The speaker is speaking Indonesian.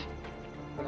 gak ada apa apa